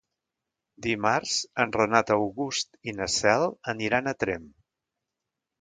Dimarts en Renat August i na Cel aniran a Tremp.